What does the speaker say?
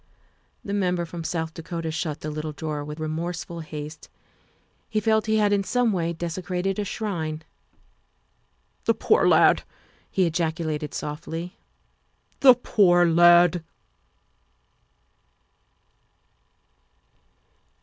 The Member from South Dakota shut the little drawer with remorseful haste; he felt he had in some way desecrated a shrine. 'The poor lad!" he ejaculated, softly, "the poor lad!"